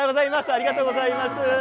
ありがとうございます。